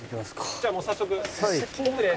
じゃあもう早速。